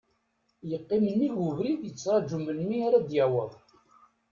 Yeqqim nnig ubrid yettraju melmi ara d-yaweḍ.